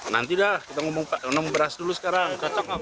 nanti dah kita ngomong beras dulu sekarang